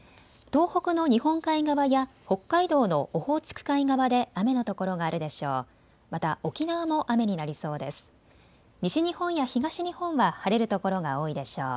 東北の日本海側や北海道のオホーツク海側で雨の所があるでしょう。